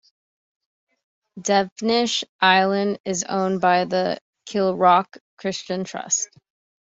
Devenish Island is owned by the Kilravock Christian Trust.